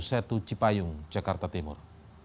setu cipayung jakarta timur